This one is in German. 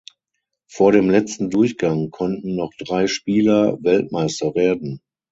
Vor dem letzten Durchgang konnten noch drei Spieler Weltmeister werden.